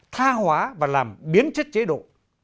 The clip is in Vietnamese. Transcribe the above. tha hóa và làm biến chất chế độ